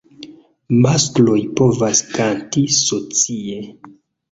Maskloj povas kanti socie.